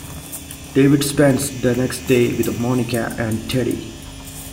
David spends the next day with Monica and Teddy.